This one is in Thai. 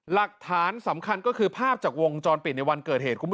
หลักฐานสำคัญก็คือภาพจากวงจรปิดในวันเกิดเหตุคุณผู้ชม